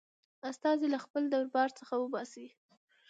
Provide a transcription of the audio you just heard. استازی له خپل دربار څخه وباسي.